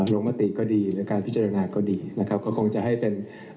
ลงมติก็ดีในการพิจารณาก็ดีนะครับก็คงจะให้เป็น